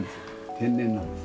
天然なんです。